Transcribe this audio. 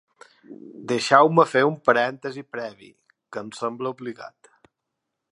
Deixeu-me fer un parèntesi previ, que em sembla obligat.